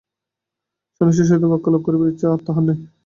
সন্ন্যাসীর সহিত বাক্যালাপ করিবার ইচ্ছা আর তাহার নাই।